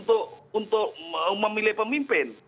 untuk memilih pemimpin